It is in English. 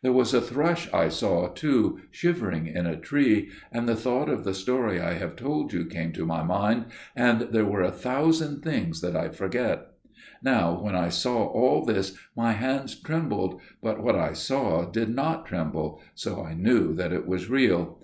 There was a thrush I saw, too, shivering in a tree; and the thought of the story I have told you came to my mind, and there were a thousand things that I forget. "Now when I saw all this my hands trembled, but what I saw did not tremble, so I knew that it was real.